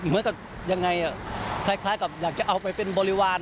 เหมือนกับยังไงคล้ายกับอยากจะเอาไปเป็นบริวาร